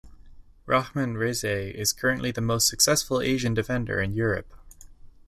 Rahman Rezaei is currently the most successful Asian defender in Europe.